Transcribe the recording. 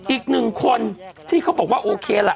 อีกหนึ่งคนที่เขาบอกว่าโอเคล่ะ